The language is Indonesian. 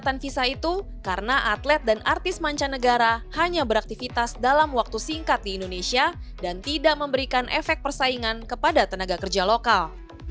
kegiatan visa itu karena atlet dan artis mancanegara hanya beraktivitas dalam waktu singkat di indonesia dan tidak memberikan efek persaingan kepada tenaga kerja lokal